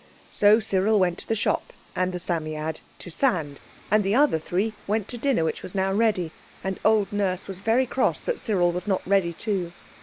So Cyril went to the shop. And the Psammead to sand. And the other three went to dinner, which was now ready. And old Nurse was very cross that Cyril was not ready too.